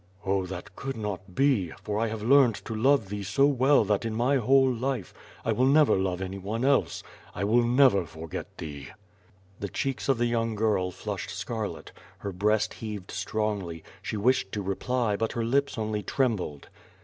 "Oh, that could not be, for I have learned to love thee so well that in my whole life, I will never love anyone else; I will never forget thee." The cheeks of the young girl flushed scarlet; her breast 5o ^JTH FIRE AND SWORD. heaved strongly; she wished to reply but her lips only trem bled.